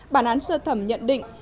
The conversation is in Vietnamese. bản án sơ thẩm nhận định